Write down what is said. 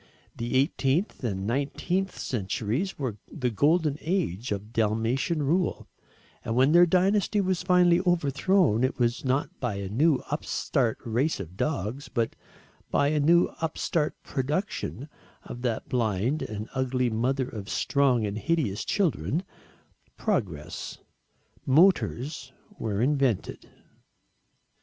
The 18th and 19th centuries were the golden age of Dalmatian rule, and when their dynasty was finally overthrown, it was not by a new upstart race of dogs, but by a new upstart production of that blind and ugly mother of strong and hideous children progress. Motors were invented.